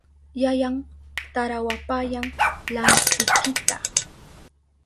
Yayan tarawapayan lankwikita.